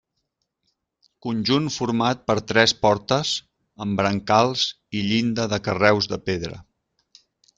Conjunt format per tres portes, amb brancals i llinda de carreus de pedra.